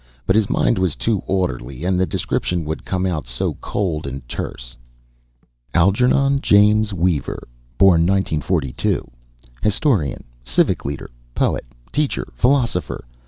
But his mind was too orderly, and the description would come out so cold and terse "Algernon James Weaver (1942 ) historian, civic leader, poet, teacher, philosopher.